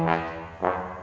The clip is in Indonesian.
nih bolok ke dalam